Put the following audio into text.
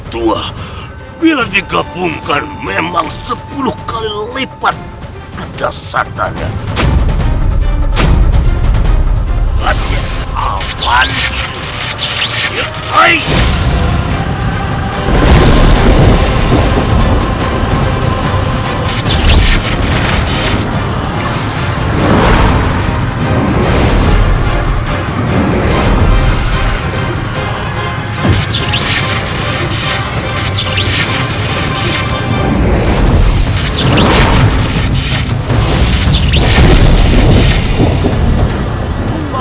apabila digabungkan memang sepuluh kali lebih keras dari satannya